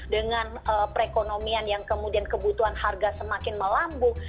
dengan perekonomian yang kemudian kebutuhan harga semakin melambung